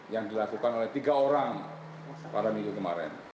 yang dilakukan oleh tiga orang pada minggu kemarin